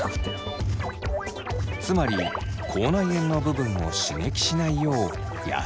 つまり口内炎の部分を刺激しないようやさしく。